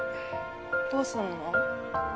どうすんの？